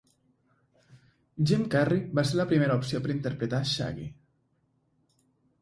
Jim Carrey va ser la primera opció per interpretar Shaggy.